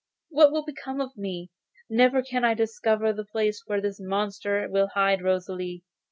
What will become of me? Never can I discover the place where this monster will hide Rosalie.